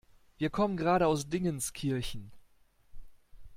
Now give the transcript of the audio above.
Wir kommen gerade aus Dingenskirchen.